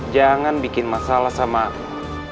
jangan bikin masalah sama